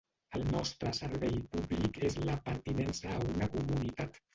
El nostre servei públic és la pertinença a una comunitat.